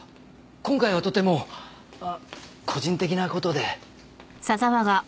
今回はとても個人的な事で。